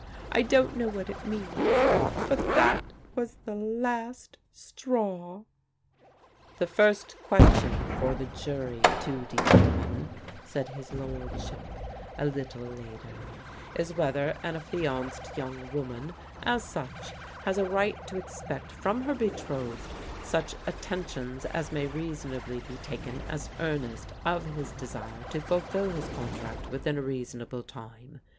I don't know what it means, but that was the last straw." "The first question for the jury to determine," said his lordship, a little later, "is whether an affianced young woman, as such, has a right to expect from her betrothed such attentions as may reasonably be taken as earnest of his desire to fulfil his contract within a reasonable time.